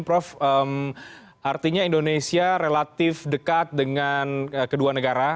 prof artinya indonesia relatif dekat dengan kedua negara